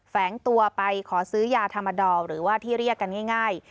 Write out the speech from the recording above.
แฝงตัวไปขอซื้อยาธรรมดอลหรือว่าที่เรียกกันง่าย